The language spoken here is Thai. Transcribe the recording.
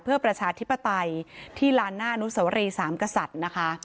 เพื่อประชาธิปไตยที่ลานหน้าอนุสวรีสามกษัตริย์นะคะ